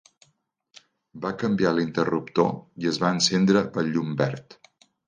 Va canviar l'interruptor i es va encendre el llum verd.